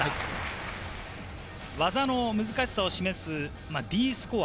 技の難しさを示すＤスコア。